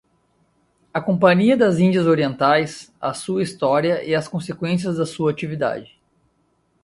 A Companhia das Indias Orientais - A Sua História e as Consequências da sua Actividade